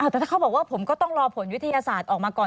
แต่ถ้าเขาบอกว่าผมก็ต้องรอผลวิทยาศาสตร์ออกมาก่อน